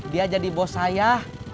dia jadi bos saya